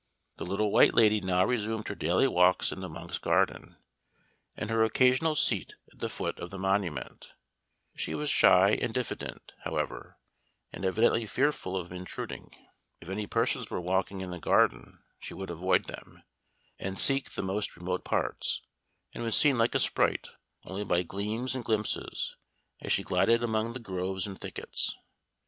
The Little White Lady now resumed her daily walks in the Monk's Garden, and her occasional seat at the foot of the monument; she was shy and diffident, however, and evidently fearful of intruding. If any persons were walking in the garden she would avoid them, and seek the most remote parts; and was seen like a sprite, only by gleams and glimpses, as she glided among the groves and thickets.